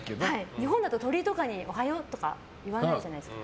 日本だと、鳥とかにおはようって言わないじゃないですか。